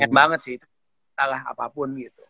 ken banget sih terserah apapun gitu